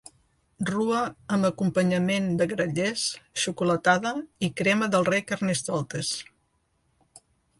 Rua amb acompanyament de grallers, xocolatada i crema del rei Carnestoltes.